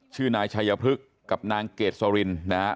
ชื่อนายชัยพฤกษ์กับนางเกดสรินนะฮะ